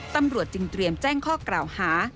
ตำรวจจึงเตรียมแจ้งข้อกล่าวหา